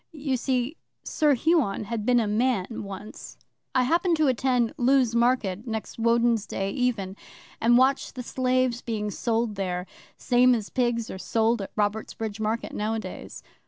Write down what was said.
You see, Sir Huon had been a man once. 'I happened to attend Lewes Market next Woden's Day even, and watched the slaves being sold there same as pigs are sold at Robertsbridge Market nowadays.